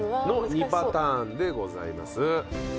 ２パターンでございます。